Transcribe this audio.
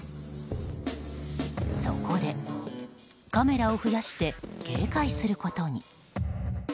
そこで、カメラを増やして警戒することに。